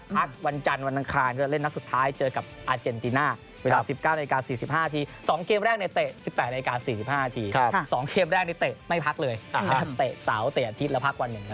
ไม่ใช่เฉียร์ที่สนามใต้แจ่ง